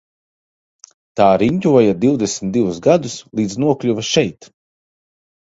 Tā riņķoja divdesmit divus gadus līdz nokļuva šeit.